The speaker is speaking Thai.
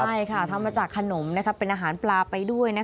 ใช่ค่ะทำมาจากขนมเป็นอาหารปลาไปด้วย